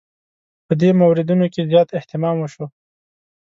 په دې موردونو کې زیات اهتمام وشو.